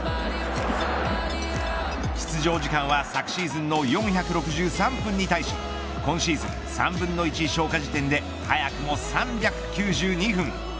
出場時間は昨シーズンの４６３分に対し今シーズン３分の１消化時点で早くも３９２分。